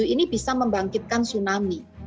delapan tujuh ini bisa membangkitkan tsunami